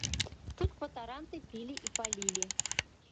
Тут кватаранты пілі і палілі.